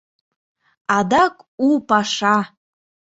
— Адак у паша!